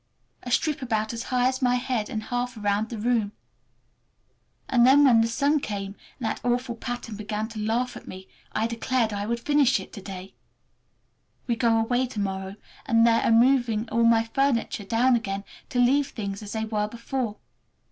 A strip about as high as my head and half around the room. And then when the sun came and that awful pattern began to laugh at me I declared I would finish it to day! We go away to morrow, and they are moving all my furniture down again to leave things as they were before.